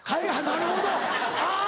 なるほどあ！